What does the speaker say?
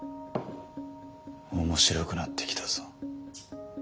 面白くなってきたぞ。